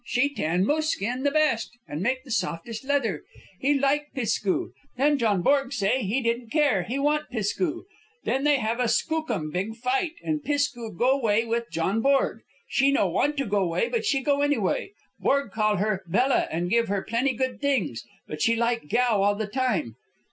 She tan moose skin the best, and make the softest leather. He like Pisk ku. Then John Borg say he don't care; he want Pisk ku. Then they have a skookum big fight, and Pisk ku go 'way with John Borg. She no want to go 'way, but she go anyway. Borg call her 'Bella,' and give her plenty good things, but she like Gow all the time."